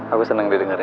aku seneng didengarnya